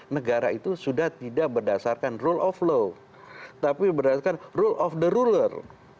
negara itu sudah tidak berdasarkan rule of law tapi berdasarkan rule of the ruler